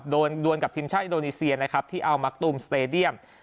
ดวนกับทีมชาติอินโดนีเซียนะครับที่เอามักตูมสเตดียม